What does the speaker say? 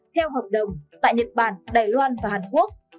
theo hợp đồng tại nhật bản đài loan và hàn quốc